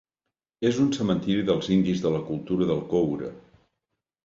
És un cementiri dels indis de la Cultura del Coure.